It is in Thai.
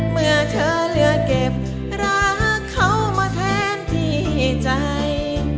เมื่อเธอเลือกเก็บรักเขามาแทนที่ใจ